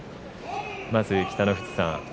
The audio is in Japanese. まず北の富士さん